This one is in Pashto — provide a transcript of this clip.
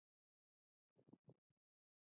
ایران له افغانستان سره ګډه پوله لري.